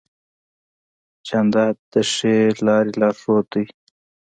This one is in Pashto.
جانداد د ښې لارې لارښود دی.